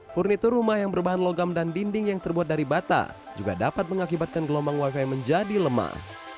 furnitur rumah yang berbahan logam dan dinding yang terbuat dari bata juga dapat mengakibatkan gelombang wifi menjadi lemah